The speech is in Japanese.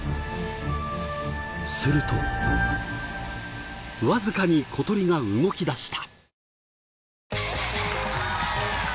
するとわずかに小鳥が動き出した。